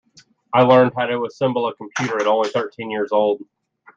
I learned how to assemble a computer at only thirteen years old.